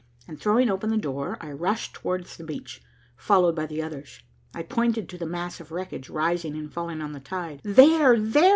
and throwing open the door, I rushed towards the beach, followed by the others. I pointed to the mass of wreckage rising and falling on the tide. "There! there!"